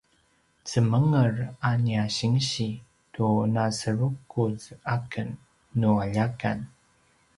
zemenger a nia sinsi tu naserukuz aken nu aljakan